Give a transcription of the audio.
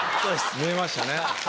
見えましたね。